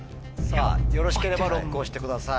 よろしければＬＯＣＫ押してください。